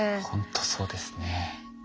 ほんとそうですね。